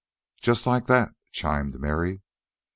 "Just like that," chimed Mary.